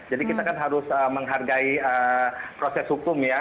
jadi kita kan harus menghargai proses hukum ya